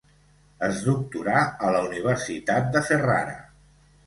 Es doctorà a la Universitat de Ferrara.